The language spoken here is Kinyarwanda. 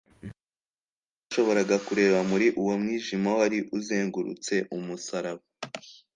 nta jisho ryashoboraga kureba muri uwo mwijima wari uzengurutse umusaraba,